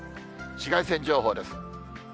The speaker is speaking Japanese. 紫外線情報です。